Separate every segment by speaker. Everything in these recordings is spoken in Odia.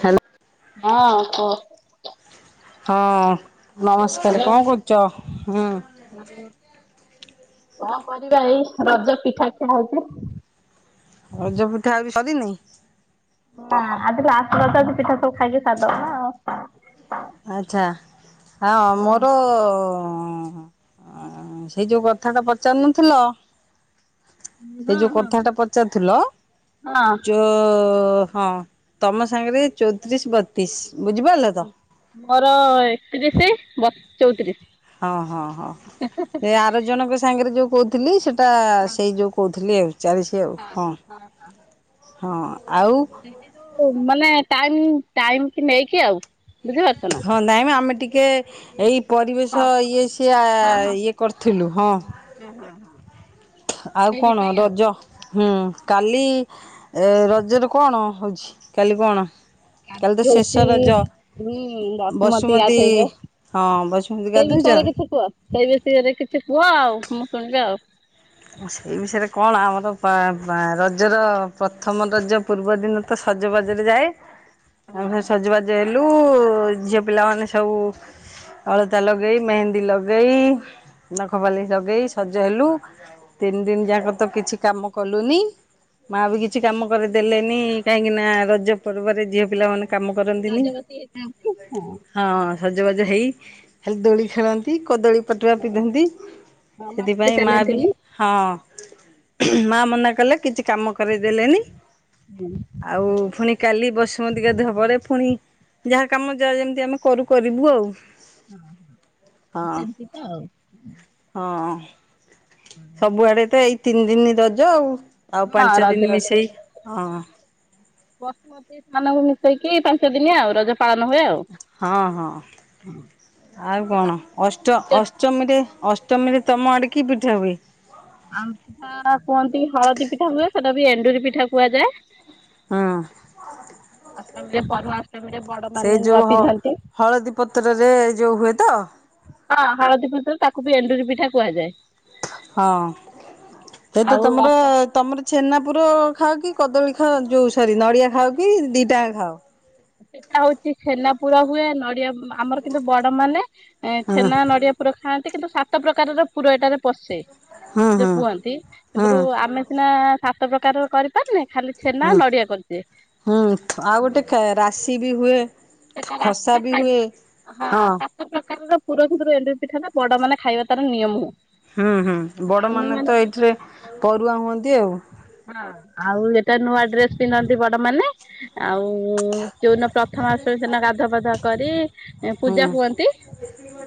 Speaker 1: ଖାନ୍
Speaker 2: ହଁ କ
Speaker 1: ହଁ ନମସ୍କାର କଣ କରୁଚ
Speaker 2: [inaudible] କଣ କରିବା ଏଇ ରଜ ପିଠା ଖିଆ ହଉଥିଲା।
Speaker 1: ରଜ ପିଠା ଆଉ ବି ସରିନି।
Speaker 2: ଆ ଆଜି ଲାଷ୍ଟ ରଜ ଅଛି ପିଠା ସବୁ ଖାଇକି ସାରିଦବ ନା ଆଉ।
Speaker 1: ଆଚ୍ଛା ହଁ ମୋର ଓହୋ ସେଇ ଯୋଉ କଥା ଟା ପଚାରୁନଥିଲ ସେ
Speaker 2: ହଁ
Speaker 1: ଯୋଉ
Speaker 2: ହଁ
Speaker 1: କଥା ଟା ପଚାରୁଥିଲ
Speaker 2: ହଁ
Speaker 1: ଯୋ ଓ ହଁ ତମ ସାଙ୍ଗରେ ଚଉତିରିଶ ବତିଶ ବୁଝିପାରିଲ ତ।
Speaker 2: ମୋର ଏକତିରିଶ କେତେ ବଶ ଚଉତିରିଶ।
Speaker 1: ହଁ ହଁ ହଁ ସେ ଆର ଜଣଙ୍କ ସାଙ୍ଗରେ ଯୋଉ କହୁଥିଲି ସେଠୁ ଟା
Speaker 2: ହଁ
Speaker 1: ସେଇ ଯୋଉ କହୁ ଥିଲି ଆଉ। ଚାଳିଶ ଆଉ
Speaker 2: [inaudible]
Speaker 1: ହଁ। ହଁ ଆଉ
Speaker 2: ସେଇ ଯୋଉ ମାନେ ଟାଇମ ଟାଇମ କି ନେଇକି ଆଉ। ବୁଝିପାରୁଛ ନା।
Speaker 1: ହଁ ନାଇଁ ମ ଆମେ ଟିକେ କିଏ ଏଇ ପରିବେଶ ଇଏ ସି ଇଏ କରିଥିଲୁ ହଁ। ଆଉ କଣ ରଜ ହୁଁ କାଲି ରଜରେ କଣ ହଉଛି କାଲି କଣ? କାଲି ତ ଶେଷ
Speaker 2: ହଉଛି
Speaker 1: ରଜ
Speaker 2: ହଁ ବସୁମତୀ ଗାଧେଇବେ
Speaker 1: ହଁ ବସୁମତୀ
Speaker 2: ସେଇ
Speaker 1: ଗାଧଉଛ?
Speaker 2: ବିଷୟରେ କିଛି କୁହ ସେଇ ବିଷୟରେ କିଛି କୁହ ଆଉ ମୁଁ ଶୁଣିବି ଆଉ।
Speaker 1: ସେଇ ବିଷୟରେ କଣ ଆମର ରଜର ପ୍ରଥମ ରଜ ପୂର୍ବ ଦିନ ତ ସଜବାଜରେ ଯାଏ।
Speaker 2: ହଁ
Speaker 1: ଆଉ ସଜବାଜେ ଝିଅ ପିଲାମାନେ ସବୁ ଅଳତା ଲଗେଇ ମେହେନ୍ଦୀ ଲଗେଇ ନଖପାଲିସ୍ ଲଗେଇ ସଜ ସଜ ହେଲୁ। ତିନି ଦିନ ଯାକ ତ କିଛି କାମ କଲୁନି ମା ବି କିଛି କାମ କରେଇ ଦେଲେନି କାହିଁକି ନା ରଜ ପର୍ବରେ ଝିଅ ପିଲାମାନଙ୍କୁ
Speaker 2: ରଜବତୀ ହେଇଥାନ୍ତି ହଁ।
Speaker 1: ସଜବାଜ ହେଇ ଖାଲି ଦୋଳି ଖେଳନ୍ତି କଦଳୀ ପଟୁଆ ପିନ୍ଧନ୍ତି
Speaker 2: ହଁ ମାଟିରେ
Speaker 1: ସେଥିପାଇଁ ମାଆ ବି
Speaker 2: ଚାଲନ୍ତିନି।
Speaker 1: ହଁ। ମା ମନା କଲେ କିଛି କାମ କରେଇଦେଲେନି ଆଉ ପୁଣି କାଲି ବସୁମତୀ ଗାଧୁଆ ପରେ ପୁଣି ଯାହା କାମ ଯାହା ଯେମିତି ଆମେ କରୁ କରିବୁ ଆଉ।
Speaker 2: ହଁ ସେମିତି ତ ଆଉ।
Speaker 1: ହଁ। ସବୁଆଡେ ତ ଏଇ ତିନ୍‌ ଦିନି ରଜ ଆଉ। ଆଉ
Speaker 2: ହଁ
Speaker 1: ପାଞ୍ଚ
Speaker 2: ରଜ
Speaker 1: ଦିନ୍‌ ମିଶେଇ ହଁ। [inaudible]
Speaker 2: [unintelligible] ମିଶେଇକି ପାଞ୍ଚ ଦିନିଆ ଆଉ ରଜ। ପାଳନ ହୁଏ ଆଉ।
Speaker 1: ହଁ ହଁ ଆଉ
Speaker 2: କିଛି କ
Speaker 1: କଣ ଅଷ୍ଟ
Speaker 2: ପିଠା
Speaker 1: ଅଷ୍ଟମୀରେ ଅଷ୍ଟମୀରେ ତମ ଆଡ଼େ କି ପିଠା ହୁଏ?
Speaker 2: ଆମ୍ [inaudible] ପିଠା କୁହନ୍ତି ହଳଦୀ ପିଠା ହୁଏ ସେଟା ବି ଏଣ୍ଡୁରି ପିଠା କୁହାଯାଏ।
Speaker 1: ହଁ
Speaker 2: ଅଷ୍ଟମୀରେ ପରୁଆଁ ଅଷ୍ଟମୀରେ ବଡ
Speaker 1: ସେ
Speaker 2: ମାନେ ନୂଆ
Speaker 1: ଯୋଉ ହ
Speaker 2: ପିନ୍ଧନ୍ତି
Speaker 1: ହଳଦୀ ପତ୍ର ରେ ଯଉ ହୁଏ ତ?
Speaker 2: ହଁ ହଳଦୀ ପତର ତାକୁ ବି ଏଣ୍ଡୁରି ପିଠା କୁହାଯାଏ।
Speaker 1: ହଁ ଥେଇତ
Speaker 2: ଆଉ
Speaker 1: ତମର ତମର ଛେନା ପୁର ଖାଅ କି କଦଳୀ ଖାଅ ଯୋଉ ସରି ନଡ଼ିଆ ଖାଅ କି ଦିଟା ଯାକ ଖାଅ?
Speaker 2: ସେଟା ହଉଛି ଛେନା ପୁର ହୁଏ ନଡ଼ିଆ ମା। ଆମର କିନ୍ତୁ ବଡ ମାନେ
Speaker 1: ହଁ
Speaker 2: ଛେନା, ନଡିଆ ପୁର ଖାଆନ୍ କିନ୍ତୁ ସାତ ପ୍ରକାରର ପୁର ଏଟାରେ ପଶେ।
Speaker 1: ହଁ
Speaker 2: ଯଉ
Speaker 1: ହଁ
Speaker 2: କୁହନ୍ତି
Speaker 1: ହଁ
Speaker 2: ସେଥିରୁ ଆମେ ସିନା ସାତ ପ୍ରକାରର କରିପାରୁନେ? ଖାଲି ଛେନା
Speaker 1: ହଁ
Speaker 2: ନଡ଼ିଆ କରିଚେ ହୁଁ।
Speaker 1: ଶି ବି ହୁଏ।
Speaker 2: ସେଇଟା
Speaker 1: ଖସା
Speaker 2: ରାଶିଟା
Speaker 1: ବି
Speaker 2: ଖାଇବୁ
Speaker 1: ହୁଏ
Speaker 2: ହଁ ସାତ ପ୍ରକାରର। ପୁର ଭିତରୁ ଏଣ୍ଡୁରି ପିଠାଟା ବଡମାନେ ଖାଇବା ତାର ନିୟମ।
Speaker 1: ହୁଁ ହୁଁ
Speaker 2: ଆମେ
Speaker 1: ବଡମାନେ
Speaker 2: ମାନେ
Speaker 1: ତ ଏଇଥିରେ ପରୁଆଁ ହୁଅନ୍ତି। [unintelligible]
Speaker 2: ହଁ ଆଉ ଏଟା ନୂଆ ଡ୍ରେସ୍ ପିନ୍ଧନ୍ତି ବଡ ମାନେ। ଆଉଉଉ ଯଉ ଦିନ ପ୍ରଥମା ଅଷ୍ଟମୀ ସେ ଦିନ ଗାଧୁଆପାଧୁଆ। କରି
Speaker 1: ହୁଁ
Speaker 2: ପୂଜା ହୁଅନ୍ତି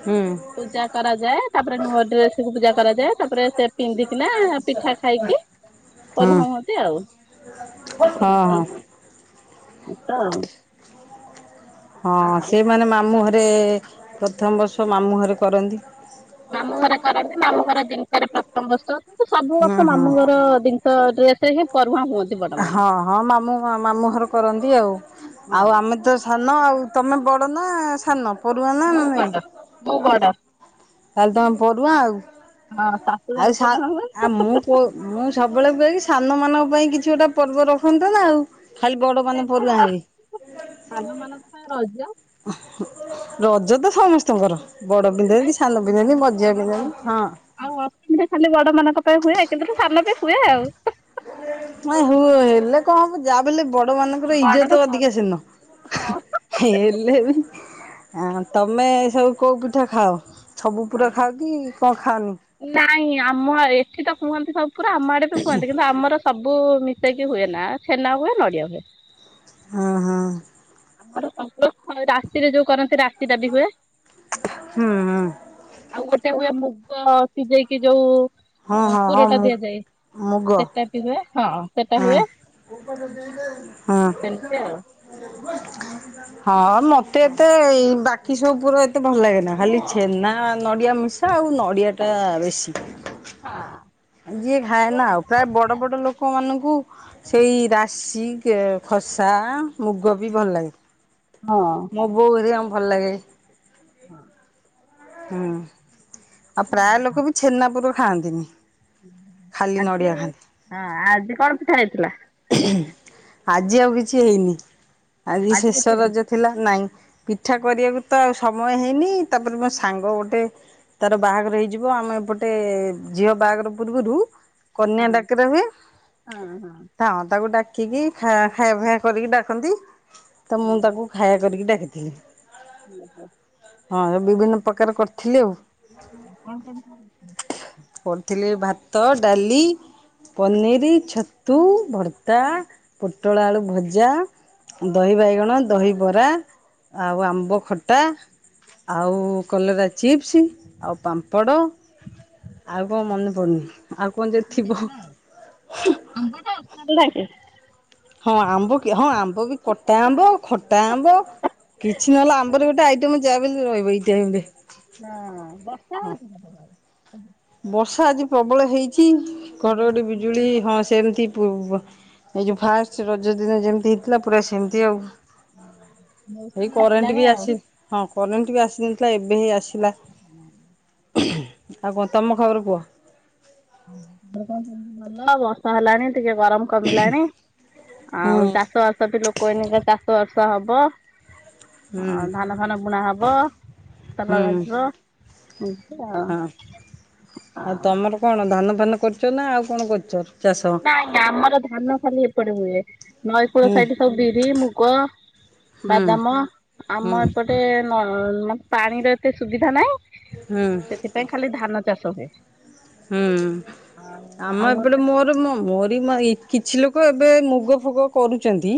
Speaker 1: ହୁଁ
Speaker 2: ପୂଜା କରାଯାଏ ତାପରେ ନୂଆ ଡ୍ରେସକୁ ପୂଜା କରାଯାଏ ତାପରେ ସେ ପିନ୍ଧିକିନା ପିଠା ଖାଇକି।
Speaker 1: ହୁଁ
Speaker 2: ପରୁହାଁ‌‌ ହୁଅନ୍ତି
Speaker 1: ହଁ
Speaker 2: ଆଉ
Speaker 1: ହଁ।
Speaker 2: [inaudible] [unintelligible]
Speaker 1: ହଁ
Speaker 2: ଆଉ
Speaker 1: ସେଇ ମାନେ ମାମୁଁ ଘ ରେ ପ୍ରଥମ ବର୍ଷ ମାମୁଁ ଘରେ କରନ୍ତି।
Speaker 2: ମାମଁ ଘରେ କରନ୍ତି ମାମୁଁ ଘର ଜିନିଷରେ ପ୍ର [unintelligible] ସବୁ
Speaker 1: ହୁଁ
Speaker 2: ବର୍ଷ
Speaker 1: ହୁଁ
Speaker 2: ମାମୁଁ ଘର ଜିନିଷ ଡ୍ରେସରେ [unintelligible]
Speaker 1: ହଁ ହଁ ମାମୁଁ ମାମୁଁ ଘର କରନ୍ତି ଆଉ,
Speaker 2: ହଁ
Speaker 1: ଆଉ ଆମେ ତ ସାନ ଆଉ ତମେ ବଡ଼ ନା ସାନ? ପରୁଆ ନା
Speaker 2: ମୁଁ ବଡ଼ ମୁଁ ବଡ।
Speaker 1: ତାହଲେ ତମେ ପୋରୁହାଁ ଆଉ,
Speaker 2: ହଁ ଶାଶୁଘର
Speaker 1: ଆଉ ସା
Speaker 2: ପରୁହାଁ ହୁଅନ୍ତି
Speaker 1: ଆଉ ମୁଁ କୋ ମୁଁ ସବୁବେଳ ପାଇଁ ସାନ ମାନଙ୍କ ପାଇଁ କିଛି ଗୋଟେ ପର୍ବ ରଖନ୍ତେନା ଆଉ ଖାଲି ବଡ
Speaker 2: ସେ
Speaker 1: ମାନେ
Speaker 2: ତ
Speaker 1: ପରୁଆ ହେବେ।
Speaker 2: ସାନ ମାନଙ୍କ ପାଇଁ ରଜ
Speaker 1: ରଜ ତ ସମସ୍ତ ମଝିଆ ପିନ୍ଧନ୍ତି ହଁ।
Speaker 2: ଆଉ ଅଷ୍ଟମି ଟା ଖାଲି ବଡ ମାନଙ୍କ ପାଇଁ ହୁଏ କିନ୍ତୁ ତ ସାନ ବି ହୁଏ ଆଉ
Speaker 1: ହଁ ହୁଏ ହେଲେ କଣ ହବ ଯାହା ବି ହେଲେ ବ ବଡ଼ ମାନଙ୍କର
Speaker 2: ବଡର
Speaker 1: ଇଜ୍ଜତ ଅଧିକା
Speaker 2: ହଁ
Speaker 1: ସେଦିନ ହେଲେ ବି ଅ ତମେ ସବୁ କୋଉ ପିଠା ଖାଅ ସବୁ ପୁରା ଖାଅ କି କଣ ଖାଅନି?
Speaker 2: ନାଇଁ ଆମ ଏଠି ତ କୁହନ୍ତି ସବୁ ପୁରା ଆମ ଆଡେ ବି କୁହନ୍ତି କିନ୍ତୁ ଆମର ସବୁ ମିଶେଇକି ହୁଏ ନା ଛେନା ହୁଏ ନଡିଆ ହୁଏ
Speaker 1: ହଁ ହଁ।
Speaker 2: ଆମର ସବୁ ରାସି ରେ ଯୋଉ କରନ୍ତି ରାସୀ ଟା ବି ହୁଏ।
Speaker 1: ହୁଁ ହୁଁ
Speaker 2: ଆଉ ଗୋଟେ ହୁଏ ମୁଗ ଗ ସିଝେଇକି
Speaker 1: ହଁ
Speaker 2: ଯୋଉ
Speaker 1: ହଁ ହଁ
Speaker 2: ପୁରଟା
Speaker 1: ମୁଁ
Speaker 2: ଦିଆଯାଏ
Speaker 1: ମୁଗ
Speaker 2: ସେଟା ବି ହୁଏ ହଁ ସେଟା
Speaker 1: ହଁ
Speaker 2: ହୁଏ।
Speaker 1: ହଁ। [unintelligible] ହଁ ମତେ ଏତେ ଇ ବା ଟିକି ସବୁ ପୁର ଏତେ ଭଲ ଲାଗେ ନା ଖାଲି ଛେନା ନଡିଆ ମିଶା ଆଉ ନଡିଆ ଟା ବେଶୀ
Speaker 2: ହଁ।
Speaker 1: ଯିଏ ଖାଏ ନା ଆଉ ପ୍ରାୟ ବଡ ବଡ ଲୋକମାନାନଙ୍କୁ ସେଇ ରାଶି କିଏ ଖସା ମୁଗ ବି ଭଲ ଲାଗେ
Speaker 2: ହଁ।
Speaker 1: ମୋ ବୋଉ ଘରିଆଙ୍କୁ ଭଲ ଲାଗେ
Speaker 2: ହଁ
Speaker 1: ହୁଁ। ଆଉ ପ୍ରାୟ ଲୋକ ବି ଛେନାପୁର ଖାଆନ୍ତି ନି।
Speaker 2: ଆଜି ହଁ ଆଜି କଣ ପିଠା ହେଇଥିଲା?
Speaker 1: ଆଜି ଆଉ କିଛି ହେଇନି। ଆଜି ଶେଷ
Speaker 2: କିଛି ହେଇନି।
Speaker 1: ରଜ ଥିଲା ନାଇଁ। ପିଠା କରିବାକୁ ତ ଆଉ ସମୟ ହେଇନି ତାପରେ ମୋ ସାଙ୍ଗ ଗୋଟେ ତାର ବାହାଘର ହେଇଯିବ ଆମେ ଏପଟେ ଝିଅ ବାହାଘର ପୂର୍ବରୁ କନ୍ୟା
Speaker 2: ହଁ
Speaker 1: ଡାକିରା ହୁଏ ହଁ ତାକୁ ଡା କି କି ଖା-ଖାଇବା ପିବା କରିକି ଡାକନ୍ତି। ତ ମୁଁ ତାକୁ ଖାଇବା କରିକି ଡାକିି ଥିନି। [inaudible]
Speaker 2: ଉଁ ହୁଁ। [inaudible]
Speaker 1: ହଁ ବିଭିନ୍ନ ପ୍ରକାର କରିଥିଲି ଆଉ।
Speaker 2: କଣ କଣ?
Speaker 1: ଥିଲେ ଭାତ ଡାଲି ପନିର ଛତୁ ଭର୍ତ୍ତା ପୋଟଳ ଆଳୁ ଭଜା। ଦହି ବାଇଗଣ ଦହି ବରା ଆଉ ଆମ୍ବ ଖଟା ଆଉ କଲରା ଚିପ୍ସ ଆଉ କଣ ମନେ ପଡୁନି ଆଉ କଣ ଯଦି ଥିବ?
Speaker 2: ହେଲା କି?
Speaker 1: ହଁ ଆମ୍ବ କି ହଁ ଆମ୍ବ ବି କଟା ଆମ୍ବ ଖଟା ଆମ୍ବ କିଛି ନହେଲେ ଆମ୍ବରେ ଗୋଟେ ଆଇଟମ ଯାହା ରହିବ ଏଇ ଟାଇମ୍ ରେ।
Speaker 2: ହୁଁ ବର୍ଷା
Speaker 1: ହଁ
Speaker 2: ହଉଛି? [inaudible]
Speaker 1: ବର୍ଷା ଆଜି ପ୍ରବଳ ହେଇଛି। ଚି ଘଡ଼ଘଡ଼ି ବିଜୁଳି
Speaker 2: ମୌସୁମୀ
Speaker 1: ହଁ ସେମିତି। ଏଇ ଯୋଉ ଫାଷ୍ଟ ରଜ ଦିନ ଯେମତି ହେଇଥିଲା ପୁରା ସେମିତି ଆଉ। ଏଇ
Speaker 2: ମୌସୁମୀ
Speaker 1: କରେଣ୍ଟ
Speaker 2: ଆସିଲାଣି
Speaker 1: ବି
Speaker 2: ଆଉ।
Speaker 1: ଅସି ହଁ। କରେଣ୍ଟ ବି ଆସିନଥିଲା ଏବେ ହିଁ ଆସି ଥିଲା। ଆଉ କ ତମ ଖବର କୁହ?
Speaker 2: ର କଣ ସେମିତି ଭଲ ବର୍ଷା ହେଲାଣି। ଟିକେ ଗରମ କମିଲାଣି ଆଉ
Speaker 1: ହୁଁ
Speaker 2: ଚାଷ ବାସ ବି ଲୋକ କୋଇ ଏଇନେକେ ଚାଷ ବାସ ହବ।
Speaker 1: ହୁଁ
Speaker 2: ହଉ ଧାନ ଫାନ ବୁଣା ହବ ତାବା
Speaker 1: ହୁଁ
Speaker 2: ହବ ଏମିତି ଆଉ
Speaker 1: ହଁ
Speaker 2: ଆଉ
Speaker 1: ତମର କଣ ଧାନ କରୁଛ ନା ଆଉ କଣ କରୁଛ।
Speaker 2: ନା ନା ଆମର ଧାନ ଖାଲି ଏପଟେ ହୁଏ ନଈକୂଳ
Speaker 1: ହୁଁ
Speaker 2: ସାଇଟ ସବୁ ବିରି ମୁଗ
Speaker 1: ହୁଁ
Speaker 2: ବାଦାମ
Speaker 1: ହୁଁ
Speaker 2: ଆମ ଏପଟେ ନ ନ ପାଣିର ଏତେ ସୁବିଧା ନାହିଁ
Speaker 1: ହୁଁ
Speaker 2: ସେଥିପାଇଁ ଖାଲି ଧାନ ଚାଷ ସ ହୁଏ।
Speaker 1: ହୁଁ ଆମ ଏପଟେ ମୋର ମୋ ମୋରି କିଛି ଲୋକ ଏବେ ମୁଗ ଫୁଗ କରୁଛନ୍ତି।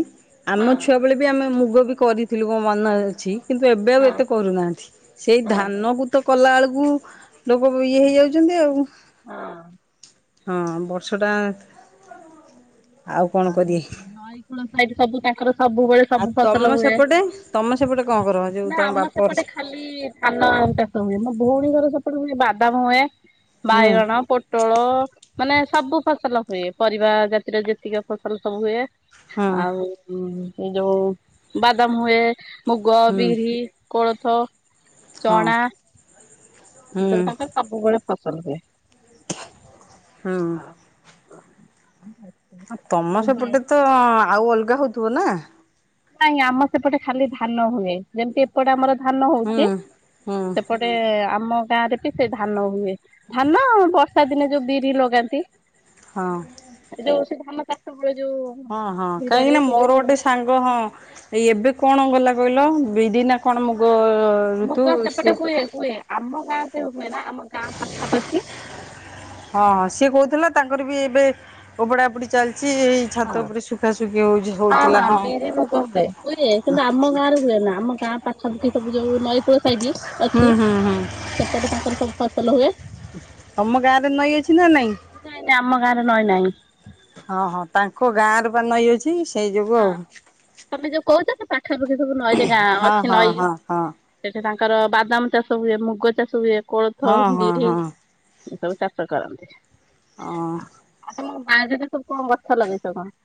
Speaker 1: ଆମ ଛୁଆ ବେଳେ ବି ଆମେ ମୁଗ ମୁଗ ବି କରିଥିଲୁ କଣ ମନ ଅଛି କିନ୍ତୁ ଏବେ ଆଉ ଏତେ କରୁନାହାନ୍ତି ସେଇ ଧାନକୁ ତ କଲାବେେଳକୁ କୁ ଲୋକ ଇଏ ହେଇଯାଉଛନ୍ତି ଆଉ।
Speaker 2: ହଁ
Speaker 1: ହଁ ବର୍ଷ ଟା
Speaker 2: ନଈକୂଳ ସାଇଠ ସବୁ ତାଙ୍କର ସବୁବେଳେ
Speaker 1: ଆଉ
Speaker 2: ସବୁ
Speaker 1: ତମ
Speaker 2: ଫସଲ ହୁଏ
Speaker 1: ସେପଟେ ତମ ସେପଟେ କଣ କର ଯୋଉ
Speaker 2: ନା
Speaker 1: ତମ
Speaker 2: ଆମ
Speaker 1: ବାପଘର
Speaker 2: ସେପଟେ
Speaker 1: ସେ
Speaker 2: ଖାଲି ଧାନ ଚାଷ ହୁଏ ମୋ ଭଉଣୀ ଘର। ପଟେ ବାଦାମ ହୁଏ।
Speaker 1: ହୁଁ
Speaker 2: ବାଇଗଣ ପୋଟଳ ମାନେ ସବୁ ଫସଲ ହୁଏ ପରିବା ଜାତିର ଯେତିକି ଫସଲ ସବୁ ହୁଏ।
Speaker 1: ହଁ
Speaker 2: ଆଉ ଏଇ ଯୋଉ ବାଦାମ ହୁଏ ମୁଗ
Speaker 1: ହୁଁ
Speaker 2: ବିରି କୋଳଥ
Speaker 1: ହଁ
Speaker 2: ଚଣା
Speaker 1: ହୁଁ
Speaker 2: ସେତବେଳେ ତାଙ୍କର ସବୁବେଳେ ଫସଲ ହୁଏ।
Speaker 1: ହୁଁ।
Speaker 2: ହ
Speaker 1: ତମ ସେପଟେ ତ ଆଉ ଅଲଗା ହଉଥିବ ନା
Speaker 2: ନାଇଁ ଆମର ସେପଟେ ଖାଲି ଧାନ ହୁଏ ଯେମିତି ଏପଟେ ଆମର ଧାନ
Speaker 1: ହୁଁ
Speaker 2: ହଉଚେ
Speaker 1: ହୁଁ।
Speaker 2: ସେପଟେ ଆମ ଗାଁ ରେ ବି ସେ ଧାନ ହୁଏ ଧାନ ବର୍ଷା ଦିନେ ଯୋଉ ବିରି ଲଗାନ୍ତି
Speaker 1: ହଁ
Speaker 2: ଯୋଉ ଧାନ ଚାଷ ହୁଏ ଯୋଉ
Speaker 1: ହଁ ହଁ କାହିଁକି
Speaker 2: ଭିଡରେ
Speaker 1: ନା
Speaker 2: ହିଡରେ
Speaker 1: ମୋର ଗୋଟେ ସାଙ୍ଗ ହଁ। ଏଇ ଏବେ କଣ ଗଲା କହିଲ ବିରି ନା କଣ ମୁଗ ଋତୁ
Speaker 2: ମୁଗ
Speaker 1: ସିଏ
Speaker 2: ସେପଟେ ହୁଏ ହୁଏ ଆମ ଗାଁ ସେ ହୁଏ ନା ଆମ ଗାଁ ପାଖାପାଖି।
Speaker 1: ହଁ ସିଏ କହୁଥିଲା ତାଙ୍କର ବି ଏବେ ଓପଡ଼ା ଉପୁଡ଼ି ଚାଲିଛି। ଏଇ ଛାତ ଉପରେ ଶୁଖାଶୁଖି ହଉଛି ହଉଥିଲା ହଁ
Speaker 2: ହଁବିରି ମୁଗ ହୁଏ ହୁଏ କିନ୍ତୁ ଆମ ଗାଁରେ ହୁଏନା ଆମ ଗାଁ ପାଖରେ ପାଖାପାଖି ସବୁ ଯୋଉ ନଈକୂଳ ଖାଇଦିଏ।
Speaker 1: ହଁ ହଁ ହଁ,
Speaker 2: ସବୁ ଫସଲ ହୁଏ।
Speaker 1: ତମ ଗାଁରେ ନଈ ଅଛି ନା ନାଇଁ?
Speaker 2: ନାଇଁ ନାଇଁ ଆମ ଗାଁରେ ନଈ ନାହିଁ।
Speaker 1: ଆମର କଣ ନଈ ଅଛି? ସେଇ ଯୋଗୁ
Speaker 2: ହଁ
Speaker 1: ଆଉ
Speaker 2: ତମେ ଯୋଉ କହୁଛ ସେ ପାଖାପାଖି ସବୁ ନଈରେ ଗାଁ
Speaker 1: ହଁ
Speaker 2: ଅଛି
Speaker 1: ହଁ
Speaker 2: ନଈ
Speaker 1: ହଁ ହଁ।
Speaker 2: ସେଠି ତାଙ୍କ। ତାଙ୍କର ବାଦାମ ଚାଷ ହୁଏ ମୁଗ ଚାଷ ହୁଏ। କୋଳଥ
Speaker 1: ହଁ ହଁ
Speaker 2: ବିରି।
Speaker 1: ହଁ
Speaker 2: ଏ ସବୁ ଚାଷ କରନ୍ତି। ଆଉ
Speaker 1: ହଁ
Speaker 2: ତମ ବାରିରେ ସବୁ କଣ ଗଛ ଲଗେଇଛ କଣ?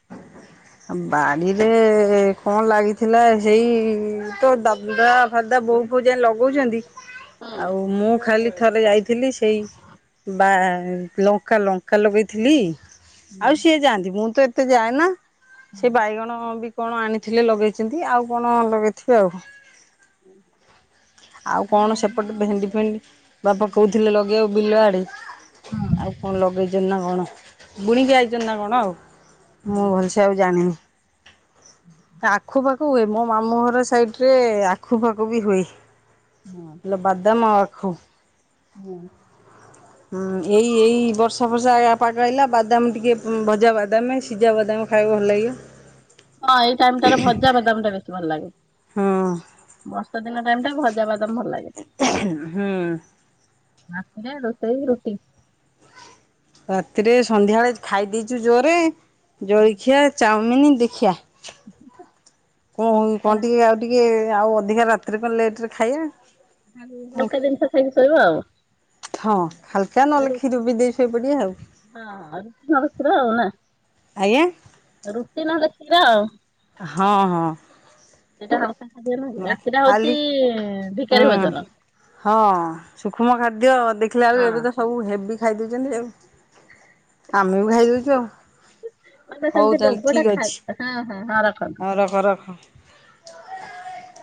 Speaker 1: ବାଡ଼ିରେ କଣ ଲାଗିଥିଲା ସେଇ ତ ଦାଦା ଫାଦା ବୋଉ ଫୋଉ ଯାଇଁ ଲଗଉଛନ୍ତି। ଆଉ ମୁଁ ଖାଲି। ଥରେ ଯାଇ। ଥିଲି ସେଇ ବା। ଲଙ୍କା ଲଙ୍କା ଲଗେଇଥିଲି। ଆଉ ସିଏ ଯାଆନ୍ତି ମୁଁ ତ। ଯାଏନା ସେ ବାଇଗଣ ବି। କଣ ଆଣିଥିଲେ ଲଗେଇଛନ୍ତି ଆଉ କଣ ଲଗେଇଥିବେ ଆଉ। ଆଉ କଣ
Speaker 2: ବାଇଗଣ
Speaker 1: ସେପଟେ ଭେଣ୍ଡି ଫେଣ୍ଡି ବାପା
Speaker 2: ହଁ
Speaker 1: କହୁଥିଲେ ଲଗେଇବାକୁ ବିଲ ଆଡେ।
Speaker 2: ହଁ
Speaker 1: ଆଉ କଣ ଲଗେଇଛନ୍ତି ନା କଣ? ବୁଣିକି ଆଇଚନ୍ତି ନା କଣ ଆଉ। ମୁଁ ଭଲସେ ଆଉ ଜାଣିନି। ଆଖୁ ପାଖ ହୁଏ, ମୋ ମାମୁଁ ଘର ସାଇଡରେ ଆଖୁ ପାାଖୁ ବି ହୁଏ। ଲ ବାଦାମ। ହଉ।
Speaker 2: ହୁଁ।
Speaker 1: ହୁଁ ଏଇ ଏଇ ବର୍ଷା ଫର୍ଷା ୟା ପାଗ ଆଇଲା ବାଦାମ ଟିକେ ମ ଭଜା ବାଦାମ। ସିଜ୍ଜା ବାଦାମ ଖାଇବ ଭଲ ଲାଗିବ।
Speaker 2: ହଁ ଏଇ ଟାଇମ ଟାରେ ଭଜା ବାଦାମଟା ବେଶ ଭଲ ଲାଗେ।
Speaker 1: ହଁ
Speaker 2: [inaudible] ମଟନ୍। ଏଇନା ଟାଇମଟା ଭଜା ବାଦ୍
Speaker 1: ଉହୁ ହୁଁ।
Speaker 2: ରାତିରେ ରୋସେଇ ରୁଟି।
Speaker 1: ରାତିରେ ସନ୍ଧ୍ୟାବେଳେ ଖାଇ ଦେଇଛୁ ଜୋରେ। ଜଳଖିଆ ଚାଉମିନି। ଦେଖିଆ। [inaudible] କଣ ହ କଣ ଟିକେ ଆଉ ଟିକେ ଆଉ ଅଧିକା ରାତିରେ ବା ଲେଟରେ ଖାଇଆ।
Speaker 2: ହାଲୁକା ଜିନିଷ ଖାଇକି ଶୋଇବ ଆଉ।
Speaker 1: ହଁ। ହାଲକା
Speaker 2: ଏ
Speaker 1: ନହେଲେ
Speaker 2: ରୁଟ୍,
Speaker 1: କ୍ଷୀର ପିଇ ଦେଇ ଶୋଇପଡ଼ିବା ଆଉ
Speaker 2: ହଁ-ହଁ ରୁଟି ନହେଲେ କ୍ଷୀର ଆଉ ନା,
Speaker 1: ଆଜ୍ଞା
Speaker 2: ରୁଟି ନହେଲେ କ୍ଷୀର।
Speaker 1: ହଁ ହଁ।
Speaker 2: ସେଟା
Speaker 1: ଖାଲି
Speaker 2: ଭିକାରୀ ଭୋଜନ।
Speaker 1: ହୁଁ-ହଁ ସୁକ୍ଷ୍ମ ଖାଦ୍ୟ ଦେଖିଲାଳୁ
Speaker 2: ହଁ
Speaker 1: ଏବେ ତ ସବୁ ହେବି ଖାଇ ଦଉଛନ୍ତି ଆଉ। ଆମେ ବି ଖାଇଦଉଛୁ ଆଉ,
Speaker 2: ମାନେ
Speaker 1: ହଉ
Speaker 2: ସେମିତି
Speaker 1: ତାହେଲେ
Speaker 2: ଲୋଭ ଟା
Speaker 1: ଠିକ୍
Speaker 2: ଖାସ
Speaker 1: ଅଛି।
Speaker 2: ହଁ ହଁ ହଁ ରଖନ୍ତୁ।
Speaker 1: ହ ରଖ ରଖ। ହଁ।
Speaker 2: [inaudible]